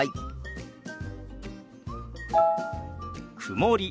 曇り。